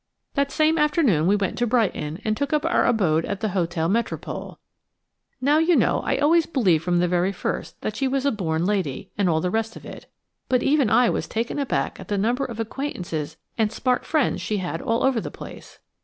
That same afternoon we went to Brighton and took up our abode at the Hotel Metropole. Now you know I always believed from the very first that she was a born lady and all the rest of it, but even I was taken aback at the number of acquaintances and smart friends she had all over the place.